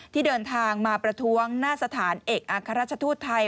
ที่เดินทางมาประท้วงหน้าสถานเอกอัครราชทูตไทย